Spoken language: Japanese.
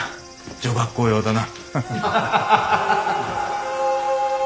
女学校用だな。